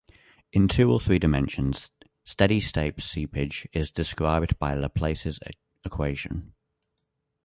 In two or three dimensions, steady state seepage is described by Laplace's equation.